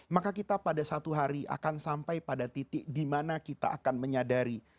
maka kita pada satu hari akan sampai pada titik di mana kita akan menyadari